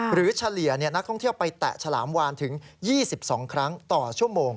เฉลี่ยนักท่องเที่ยวไปแตะฉลามวานถึง๒๒ครั้งต่อชั่วโมง